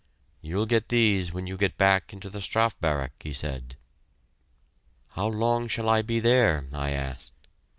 "You'll get these when you get into the Strafe Barrack," he said. "How long shall I be there?" I asked.